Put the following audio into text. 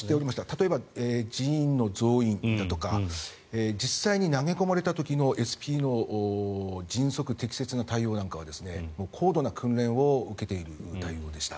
例えば人員の増員だとか実際に投げ込まれた時のＳＰの迅速、適切な対応なんかは高度な訓練を受けている対応でした。